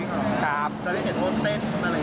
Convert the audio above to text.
จะได้เห็นโบทเต้นของมาริเองเหรอ